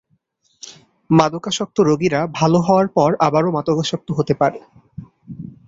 মাদকাসক্ত রোগীরা ভালো হওয়ার পর আবারও মাদকাসক্ত হতে পারে।